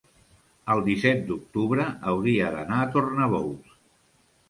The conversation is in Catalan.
el disset d'octubre hauria d'anar a Tornabous.